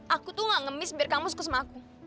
aku tuh gak ngemis biar kamu suka aku